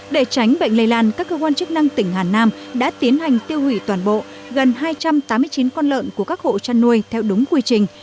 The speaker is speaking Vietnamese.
để tránh bệnh lây lan các cơ quan chức năng tỉnh hà nam đã tiến hành tiêu hủy toàn bộ gần hai trăm tám mươi chín con lợn của các hộ chăn nuôi theo đúng quy trình